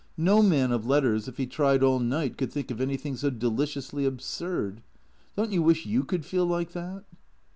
No man of letters, if he tried all night, could think anything so deliciously absurd. Don't you wish you could feel like that